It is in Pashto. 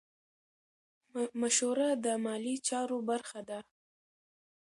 مشوره د مالي چارو برخه ده.